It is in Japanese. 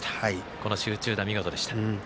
この集中打、見事でした。